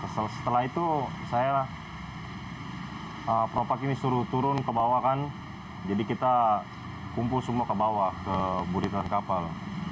setelah itu saya propak ini suruh turun ke bawah kan jadi kita kumpul semua ke bawah ke budi trans kapal